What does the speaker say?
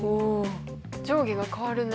上下が変わるね。